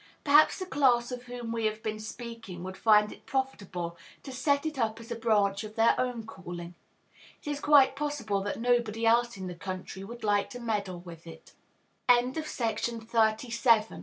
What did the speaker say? Perhaps the class of whom we have been speaking would find it profitable to set it up as a branch of their own calling. It is quite possible that nobody else in the country would like to meddle with it. The Country Landlord's Side. It is only one side, to